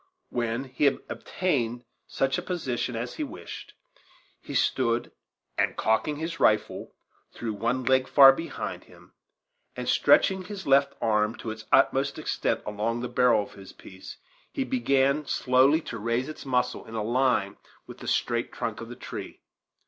When he had obtained such a position as he wished, he stopped, and, cocking his rifle, threw one leg far behind him, and stretching his left arm to its utmost extent along the barrel of his piece, he began slowly to raise its muzzle in a line with the straight trunk of the tree.